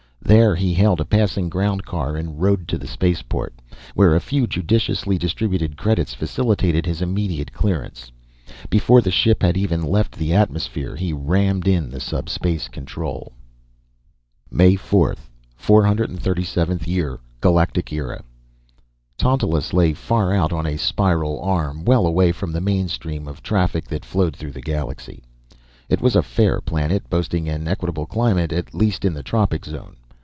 There he hailed a passing ground car and rode to the spaceport, where a few judiciously distributed credits facilitated his immediate clearance. Before the ship had even left the atmosphere he rammed in the subspace control. MAY 4, 437th Year GALACTIC ERA Tantalus lay far out on a spiral arm, well away from the main stream of traffic that flowed through the galaxy. It was a fair planet boasting an equable climate, at least in the tropic zone.